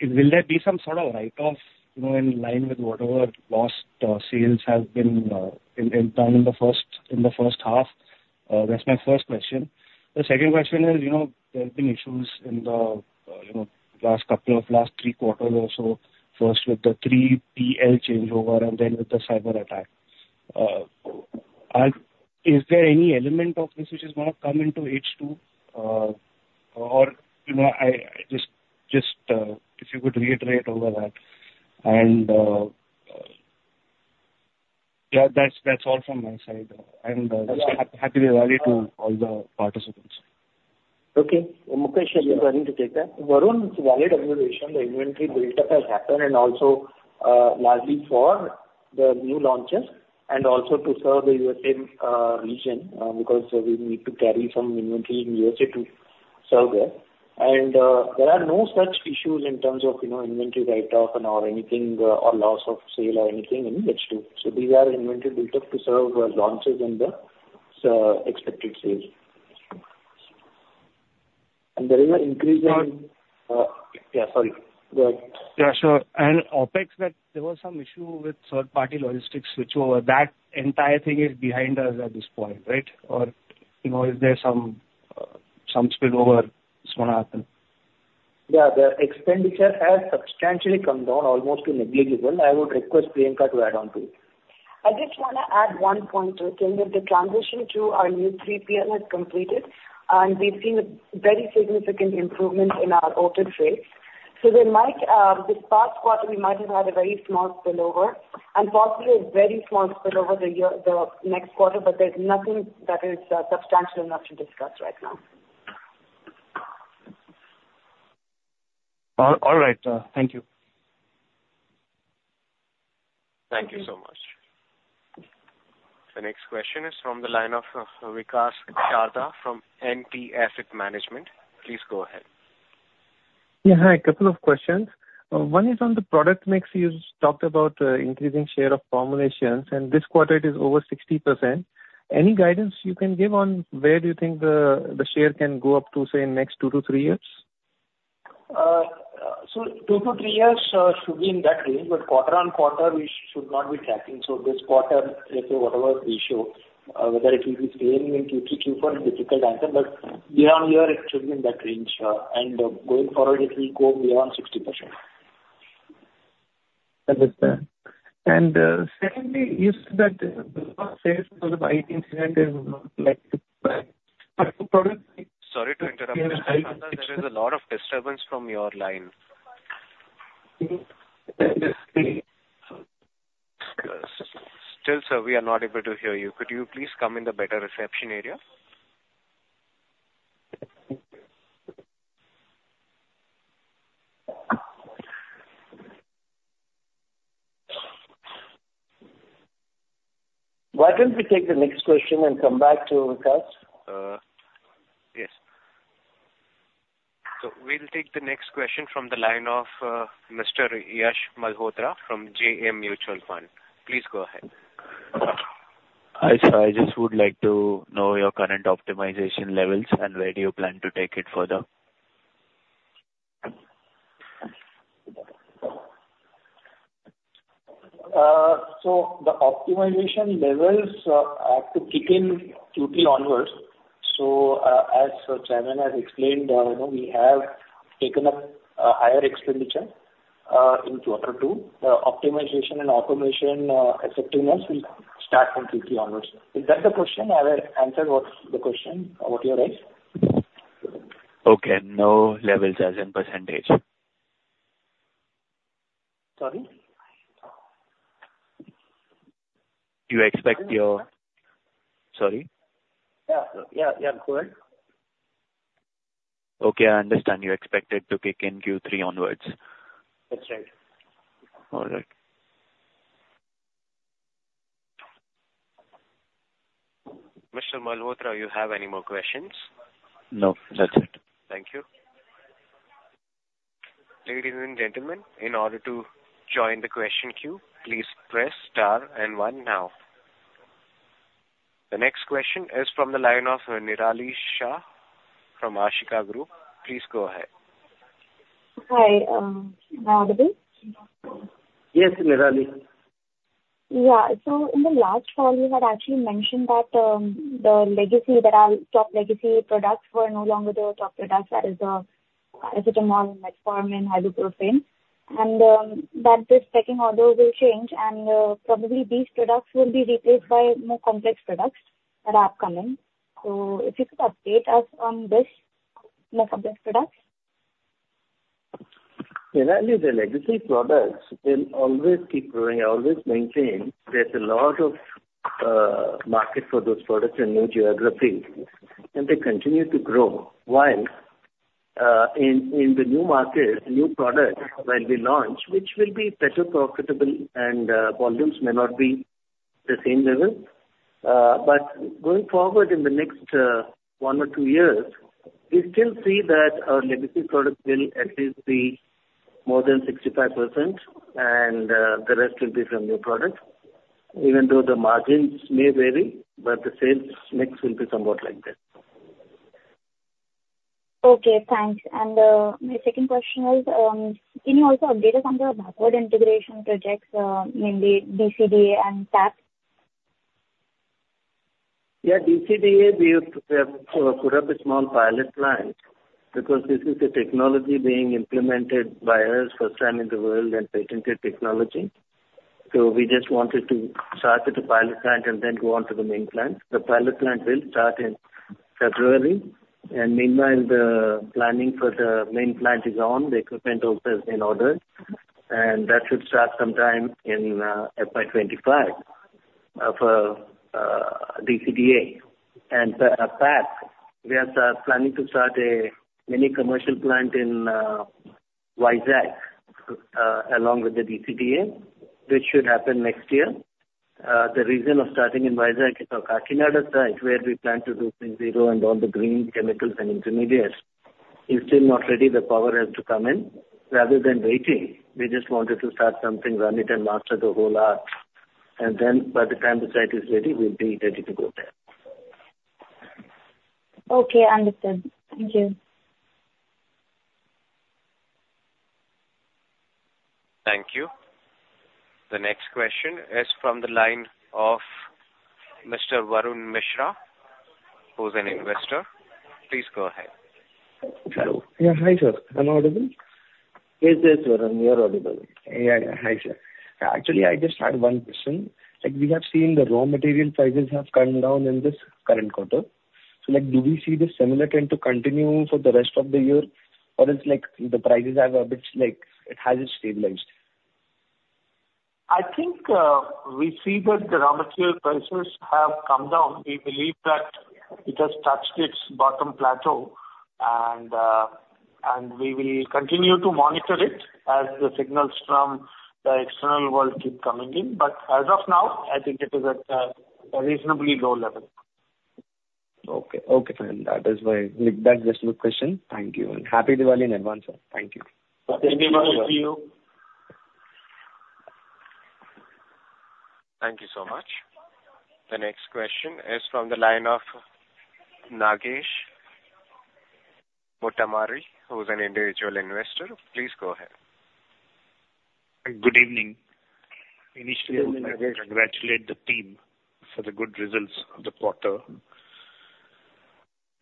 Will there be some sort of write-off, you know, in line with whatever lost sales has been in done in the first, in the first half? That's my first question. The second question is, you know, there have been issues in the, you know, last couple of last three quarters or so, first with the 3PL changeover and then with the cyberattack. Is there any element of this which is going to come into H2? You know, I just, if you could reiterate over that, and yeah, that's all from my side. Happy Diwali to all the participants. Okay. Mukesh is going to take that. Varun, it's a valid observation. The inventory buildup has happened, and also, largely for the new launches and also to serve the USA region, because we need to carry some inventory in USA to serve there. And, there are no such issues in terms of, you know, inventory write-off and/or anything, or loss of sale or anything in H2. So these are inventory buildup to serve launches and the expected sales. And there is an increase in- Yeah. Sorry. Go ahead. Yeah, sure. And OpEx, that there was some issue with third-party logistics switchover. That entire thing is behind us at this point, right? Or, you know, is there some, some spillover is going to happen? Yeah, the expenditure has substantially come down almost to negligible. I would request Priyanka to add on to it. I just want to add one point, okay, that the transition to our new 3PL has completed, and we've seen a very significant improvement in our open sales. So there might, this past quarter, we might have had a very small spillover and possibly a very small spillover the year, the next quarter, but there's nothing that is, substantial enough to discuss right now. All right, thank you. Thank you so much. The next question is from the line of Vikas Chadha from NT Asset Management. Please go ahead. Yeah, hi. A couple of questions. One is on the product mix. You talked about increasing share of formulations, and this quarter it is over 60%. Any guidance you can give on where do you think the share can go up to, say, in next two to three years? So two to three years should be in that range, but quarter-on-quarter, we should not be tracking. So this quarter, let's say, whatever we show, whether it will be same in Q3, Q4, difficult answer, but year-on-year, it should be in that range, and going forward, it will go beyond 60%. Understood. And, secondly, you said that sales for the IT incident is not like the product- Sorry to interrupt you, sir. There is a lot of disturbance from your line. Still, sir, we are not able to hear you. Could you please come in the better reception area? Why don't we take the next question and come back to Vikas? Yes. So we'll take the next question from the line of Mr. Yash Malhotra from JM Mutual Fund. Please go ahead. Hi, sir, I just would like to know your current optimization levels and where do you plan to take it further?... So the optimization levels have to kick in Q3 onwards. So, as chairman has explained, you know, we have taken up a higher expenditure in quarter two. The optimization and automation effectiveness will start from Q3 onwards. Is that the question? I will answer what's the question, what you ask? Okay, no levels as in percentage. Sorry? You expect. Sorry. Yeah. Yeah, yeah, go ahead. Okay, I understand. You expect it to kick in Q3 onward. That's right. All right. Mr. Malhotra, you have any more questions? No, that's it. Thank you. Ladies and gentlemen, in order to join the question queue, please press star and one now. The next question is from the line of Nirali Shah from Ashika Group. Please go ahead. Hi, am I audible? Yes, Nirali. Yeah. So in the last call, you had actually mentioned that the legacy, that our top legacy products were no longer the top products, that is, paracetamol, metformin, hydrocodone. And that this second order will change, and probably these products will be replaced by more complex products that are upcoming. So if you could update us on this, more complex products. Nirali, the legacy products will always keep growing. I always maintain there's a lot of market for those products in new geographies, and they continue to grow. While in the new markets, new products when we launch, which will be better profitable and volumes may not be the same level. But going forward, in the next one or two years, we still see that our legacy products will at least be more than 65%, and the rest will be from new products. Even though the margins may vary, but the sales mix will be somewhat like this. Okay, thanks. And my second question is, can you also update us on the backward integration projects, mainly DCDA and PAP? Yeah, DCDA, we have put up a small pilot plant, because this is a technology being implemented by us, first time in the world and patented technology. So we just wanted to start with the pilot plant and then go on to the main plant. The pilot plant will start in February, and meanwhile, the planning for the main plant is on. The equipment also is in order, and that should start sometime in FY 2025 for DCDA. And for PAP, we are planning to start a mini commercial plant in Vizag, along with the DCDA, which should happen next year. The reason of starting in Vizag is our Kakinada site, where we plan to do CZRO and all the green chemicals and intermediates, is still not ready. The power has to come in. Rather than waiting, we just wanted to start something, run it and master the whole art, and then by the time the site is ready, we'll be ready to go there. Okay, understood. Thank you. Thank you. The next question is from the line of Mr. Varun Mishra, who's an investor. Please go ahead. Hello. Yeah, hi, sir. Am I audible? Yes, yes, Varun, you are audible. Yeah, yeah. Hi, sir. Actually, I just had one question. Like, we have seen the raw material prices have come down in this current quarter. So, like, do we see this similar trend to continue for the rest of the year, or it's like the prices have a bit, like, it has stabilized? I think, we see that the raw material prices have come down. We believe that it has touched its bottom plateau and, and we will continue to monitor it as the signals from the external world keep coming in. But as of now, I think it is at a reasonably low level. Okay. Okay, fine. That is why. That's just my question. Thank you, and Happy Diwali in advance, sir. Thank you. Thank you very much to you. Thank you so much. The next question is from the line of Nagesh Pottamari, who is an individual investor. Please go ahead. Good evening. Good evening, Nagesh. Initially, I congratulate the team for the good results of the quarter.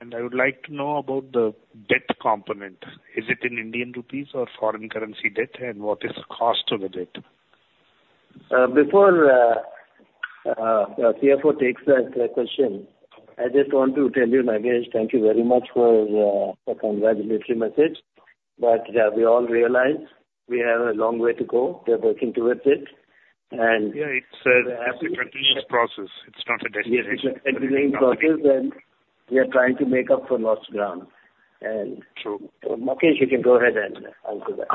I would like to know about the debt component. Is it in Indian rupees or foreign currency debt, and what is the cost of the debt? Before our CFO takes that question, I just want to tell you, Nagesh, thank you very much for the congratulatory message. But we all realize we have a long way to go. We are working towards it, and- Yeah, it's a, it's a continuous process. It's not a destination. Yes, it's a continuing process, and we are trying to make up for lost ground. And- True. Mukesh, you can go ahead and answer that.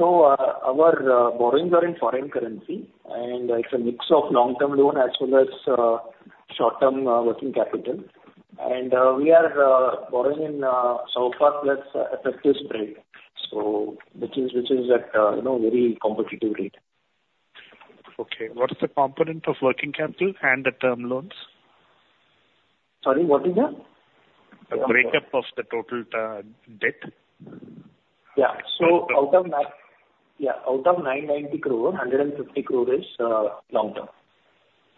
Our borrowings are in foreign currency, and it's a mix of long-term loan as well as short-term working capital. We are borrowing in so far that's at this rate, so which is, which is at a, you know, very competitive rate. Okay. What is the component of working capital and the term loans?... Sorry, what is that? The breakdown of the total debt. Yeah. So out of that, out of 990 crore, 150 crore is long term.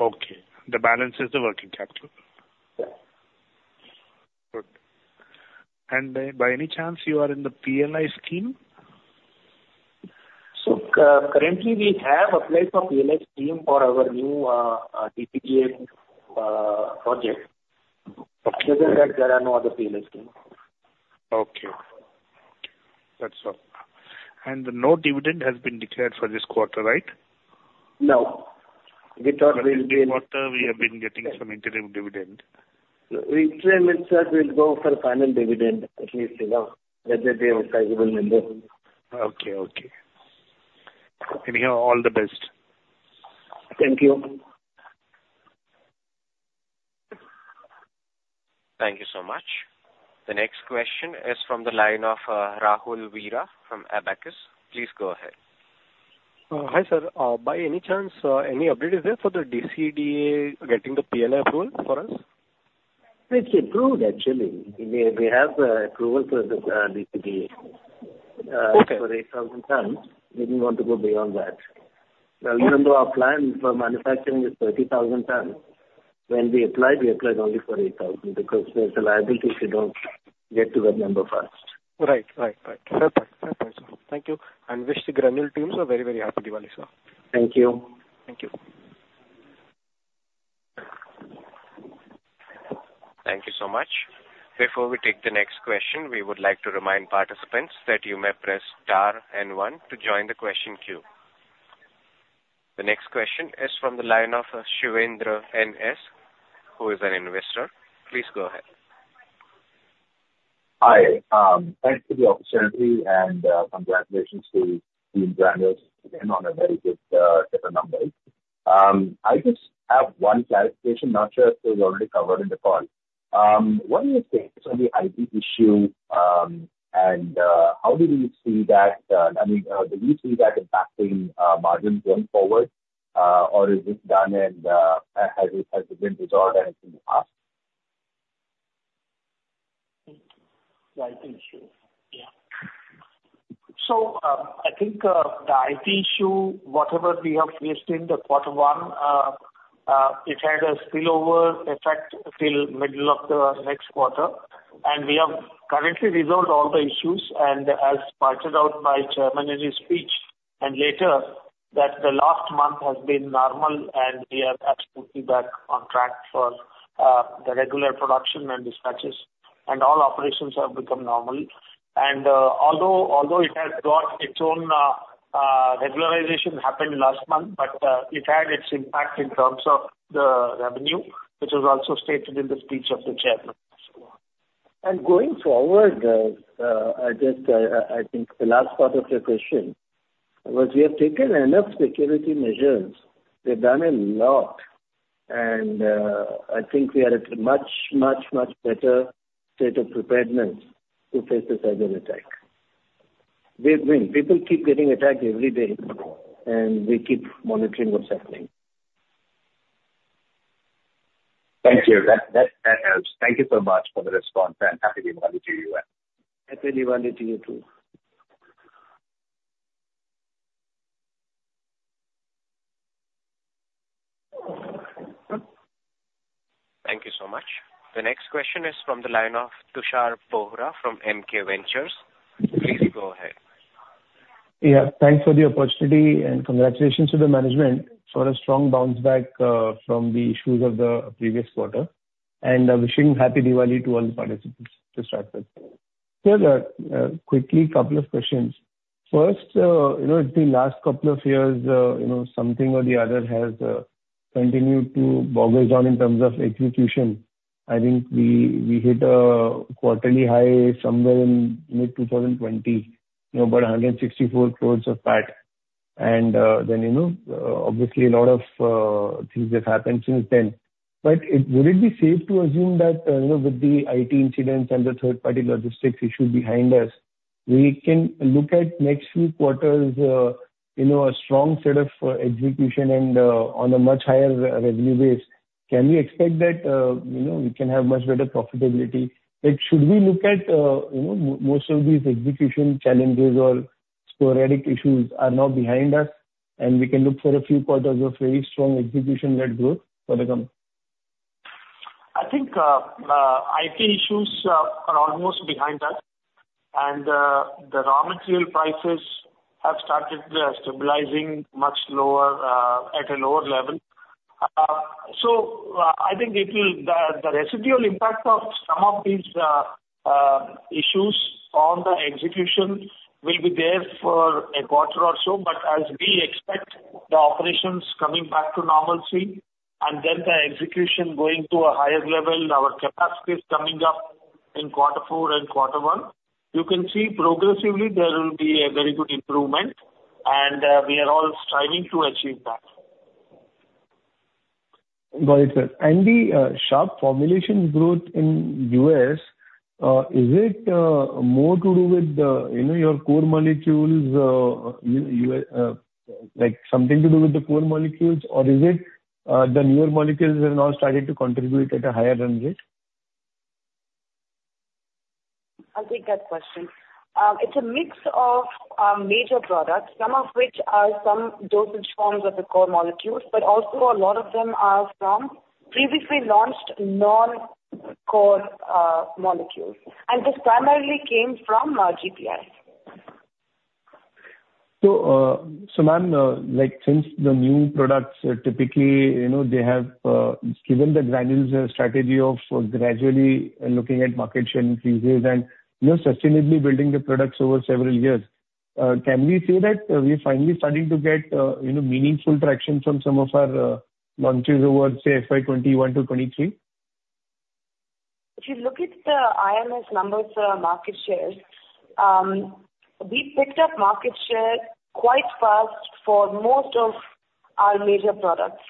Okay. The balance is the working capital? Yeah. Good. By any chance you are in the PLI scheme? Currently we have applied for PLI scheme for our new DCDA project. Other than that, there are no other PLI schemes. Okay. Okay, that's all. No dividend has been declared for this quarter, right? No. We thought we'll be- Quarter, we have been getting some interim dividend. We mentioned we'll go for final dividend, at least, you know, when they pay a sizable amount. Okay, okay. And yeah, all the best. Thank you. Thank you so much. The next question is from the line of Rahul Veera from Abakkus. Please go ahead. Hi, sir. By any chance, any update is there for the DCDA getting the PLI approval for us? It's approved, actually. We have approval for the DCDA. Okay. For 8,000 tons. We didn't want to go beyond that. Now, even though our plan for manufacturing is 30,000 tons, when we applied, we applied only for 8,000, because there's a liability if you don't get to that number first. Right. Right, right. Fair point. Fair point, sir. Thank you, and wish the Granules teams a very, very happy Diwali, sir. Thank you. Thank you. Thank you so much. Before we take the next question, we would like to remind participants that you may press star and one to join the question queue. The next question is from the line of Shivendra NS, who is an investor. Please go ahead. Hi, thanks for the opportunity, and congratulations to Team Granules again on a very good set of numbers. I just have one clarification, not sure if it was already covered in the call. What is the status on the IT issue, and how do you see that... I mean, do you see that impacting margins going forward, or is this done and has it been resolved and in the past? The IT issue? Yeah. I think the IT issue, whatever we have faced in the quarter one, it had a spillover effect till middle of the next quarter. We have currently resolved all the issues, and as pointed out by Chairman in his speech and later, that the last month has been normal, and we are absolutely back on track for the regular production and dispatches, and all operations have become normal. Although it has got its own regularization happened last month, but it had its impact in terms of the revenue, which was also stated in the speech of the Chairman. And going forward, I just, I think the last part of your question was, we have taken enough security measures. We've done a lot, and I think we are at a much, much, much better state of preparedness to face this other attack. We, I mean, people keep getting attacked every day, and we keep monitoring what's happening. Thank you. That helps. Thank you so much for the response, and Happy Diwali to you as well. Happy Diwali to you, too. Thank you so much. The next question is from the line of Tushar Bohra from MK Ventures. Please go ahead. Yeah, thanks for the opportunity, and congratulations to the management for a strong bounce back from the issues of the previous quarter. Wishing Happy Diwali to all the participants to start with. Sir, quickly, couple of questions. First, you know, the last couple of years, you know, something or the other has continued to bog us down in terms of execution. I think we hit a quarterly high somewhere in mid-2020, you know, about 164 crore of PAT. Then, you know, obviously, a lot of things have happened since then. But, would it be safe to assume that, you know, with the IT incidents and the third-party logistics issue behind us, we can look at next few quarters, you know, a strong set of execution and on a much higher revenue base? Can we expect that, you know, we can have much better profitability? Like, should we look at, you know, most of these execution challenges or sporadic issues are now behind us, and we can look for a few quarters of very strong execution-led growth for the coming? I think IT issues are almost behind us, and the raw material prices have started stabilizing much lower at a lower level. So, I think it will... The residual impact of some of these issues on the execution will be there for a quarter or so, but as we expect the operations coming back to normalcy, and then the execution going to a higher level, our capacity is coming up in quarter four and quarter one. You can see progressively there will be a very good improvement, and we are all striving to achieve that. Got it, sir. And the sharp formulation growth in U.S. Is it more to do with the, you know, your core molecules, like something to do with the core molecules? Or is it the newer molecules have now started to contribute at a higher run rate? I'll take that question. It's a mix of major products, some of which are some dosage forms of the core molecules, but also a lot of them are from previously launched non-core molecules. This primarily came from GPI. So, ma'am, like, since the new products are typically, you know, they have given the Granules' strategy of gradually looking at market share increases and, you know, sustainably building the products over several years, can we say that we are finally starting to get, you know, meaningful traction from some of our launches over, say, FY 21 to 23? If you look at the IMS numbers, market shares, we picked up market share quite fast for most of our major products.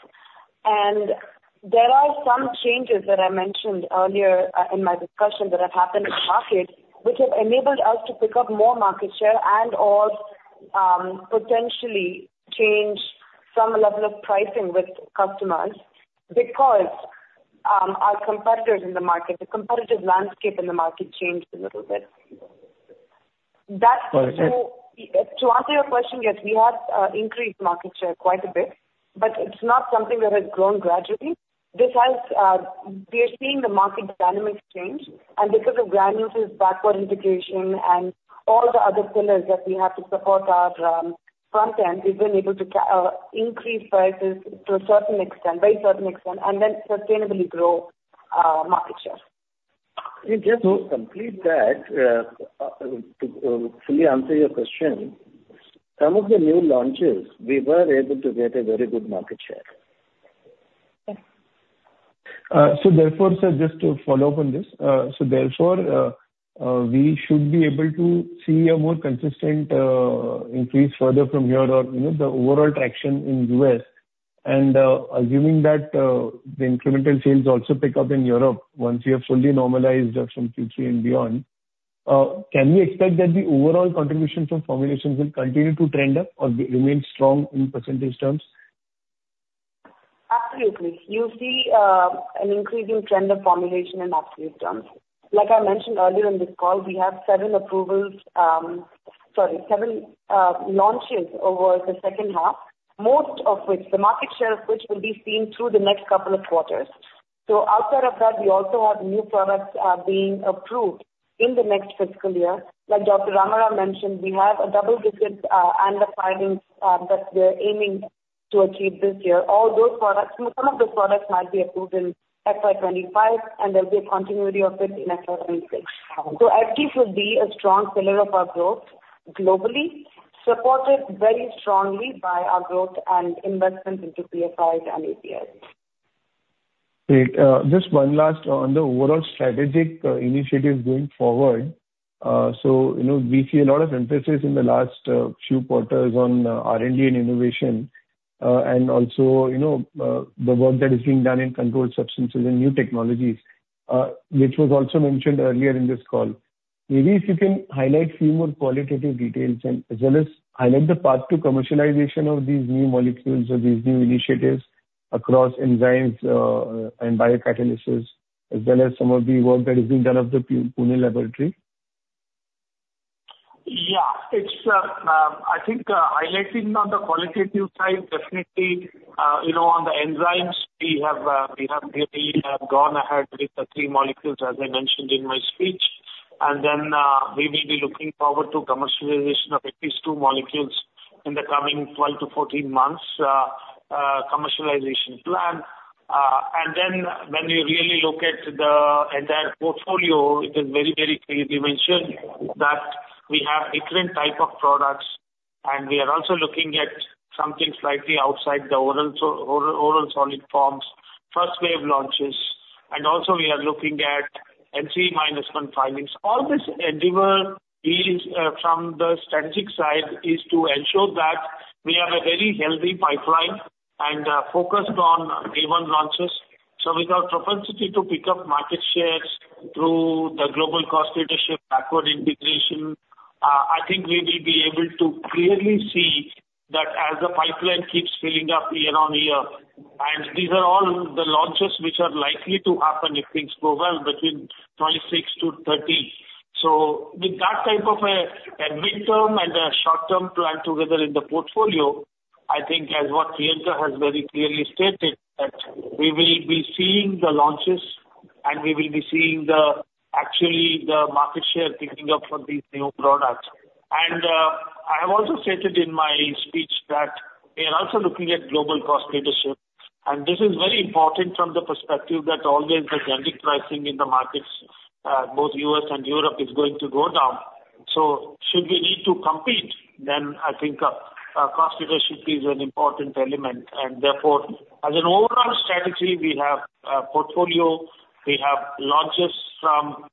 There are some changes that I mentioned earlier, in my discussion, that have happened in the market, which have enabled us to pick up more market share and/or, potentially change some level of pricing with customers. Because, our competitors in the market, the competitive landscape in the market changed a little bit. That- Got it. So to answer your question, yes, we have increased market share quite a bit, but it's not something that has grown gradually. This has... We are seeing the market dynamics change, and because of Granules' backward integration and all the other pillars that we have to support our front end, we've been able to increase prices to a certain extent, very certain extent, and then sustainably grow our market share. Just to complete that, to fully answer your question, some of the new launches, we were able to get a very good market share. Yes. So therefore, sir, just to follow up on this. So therefore, we should be able to see a more consistent increase further from here or, you know, the overall traction in U.S. And, assuming that, the incremental sales also pick up in Europe once you have fully normalized from Q3 and beyond, can we expect that the overall contribution from formulations will continue to trend up or remain strong in percentage terms? Absolutely. You see an increasing trend of formulation in absolute terms. Like I mentioned earlier in this call, we have seven approvals, sorry, seven launches over the second half, most of which, the market share of which will be seen through the next couple of quarters. So outside of that, we also have new products being approved in the next fiscal year. Like Dr. Ram Rao mentioned, we have a double-digit ANDA filings that we're aiming to achieve this year. All those products, some of the products might be approved in FY 2025, and there'll be a continuity of it in FY 2026. So FDs will be a strong pillar of our growth globally, supported very strongly by our growth and investments into PFIs and APIs. Great. Just one last on the overall strategic initiatives going forward. So, you know, we see a lot of emphasis in the last few quarters on R&D and innovation, and also, you know, the work that is being done in controlled substances and new technologies, which was also mentioned earlier in this call. Maybe if you can highlight few more qualitative details and as well as highlight the path to commercialization of these new molecules or these new initiatives across enzymes and biocatalysis, as well as some of the work that is being done at the Pune laboratory. Yeah. It's, I think, highlighting on the qualitative side, definitely, you know, on the enzymes, we have really gone ahead with the three molecules, as I mentioned in my speech. And then, we will be looking forward to commercialization of at least two molecules in the coming 12-14 months, commercialization plan. And then when we really look at the entire portfolio, it is very, very clearly mentioned that we have different type of products, and we are also looking at something slightly outside the oral so, oral, oral solid forms, first wave launches, and also we are looking at NCE-1 filings. All this endeavor is, from the strategic side, is to ensure that we have a very healthy pipeline and, focused on day one launches. So with our propensity to pick up market shares through the global cost leadership, backward integration, I think we will be able to clearly see that as the pipeline keeps filling up year on year, and these are all the launches which are likely to happen if things go well between 26-30. So with that type of a midterm and a short-term plan together in the portfolio, I think as what Priyanka has very clearly stated, that we will be seeing the launches, and we will be seeing the, actually the market share picking up for these new products. And I have also stated in my speech that we are also looking at global cost leadership, and this is very important from the perspective that always the generic pricing in the markets, both U.S. and Europe, is going to go down. So should we need to compete, then I think, cost leadership is an important element. Therefore, as an overall strategy, we have a portfolio, we have launches from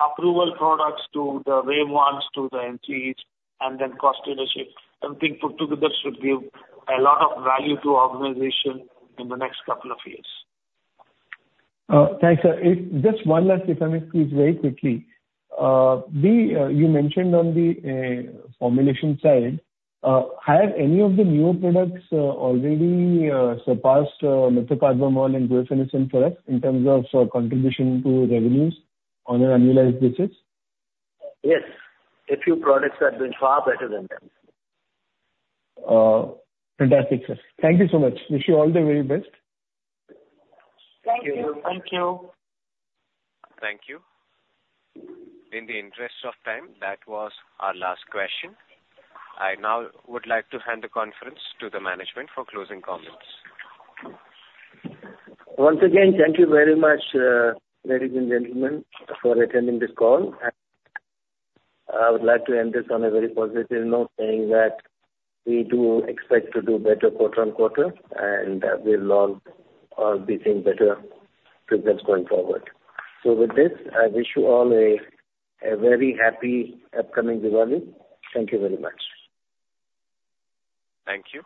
approval products to the Para ones, to the NCEs, and then cost leadership. Everything put together should give a lot of value to organization in the next couple of years. Thanks, sir. If just one last, if I may squeeze very quickly. You mentioned on the formulation side, have any of the newer products already surpassed metoprolol and guaifenesin products in terms of contribution to revenues on an annualized basis? Yes. A few products are doing far better than them. Fantastic, sir. Thank you so much. Wish you all the very best. Thank you. Thank you. Thank you. In the interest of time, that was our last question. I now would like to hand the conference to the management for closing comments. Once again, thank you very much, ladies and gentlemen, for attending this call. I would like to end this on a very positive note, saying that we do expect to do better quarter on quarter, and we'll all be seeing better results going forward. So with this, I wish you all a very happy upcoming Diwali. Thank you very much. Thank you.